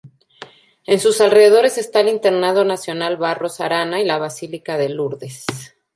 En sus alrededores está el Internado Nacional Barros Arana y la Basílica de Lourdes.